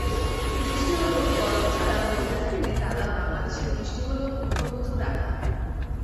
বৃষ্টি হলো গল্প ছড়া বলতে থাকে দাদা বাংলাদেশে বৃষ্টি হলো গৃহবধূ রাধা।